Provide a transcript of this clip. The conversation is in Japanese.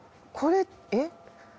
これえっ？